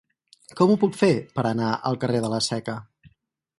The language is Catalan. Com ho puc fer per anar al carrer de la Seca?